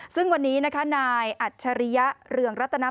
ซึ่งวันนี้นะคะนายอัจฉริยะเรืองรัตน